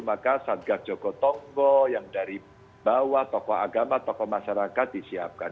maka satgas joko tonggo yang dari bawah tokoh agama tokoh masyarakat disiapkan